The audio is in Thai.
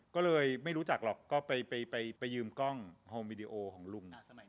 ก็เลยไม่รู้จักหรอกก็ไปยืมกล้องโฮมวิดีโอของลุง